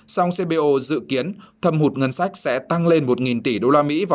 song cbo dự kiến thâm hụt ngân sách sẽ tăng lên một tỷ usd vào